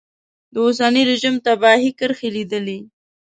د اوسني رژیم تباهي کرښې لیدلې.